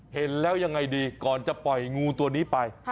เห็นแล้วยังไงดีก่อนจะปล่อยงูตัวนี้ไป